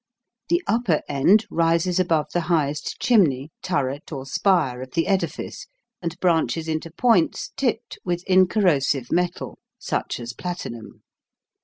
The upper end rises above the highest chimney, turret, or spire of the edifice, and branches into points tipped with incorrosive metal, such as platinum.